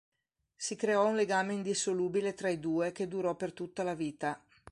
Si creò un legame indissolubile tra i due che durò per tutta la vita.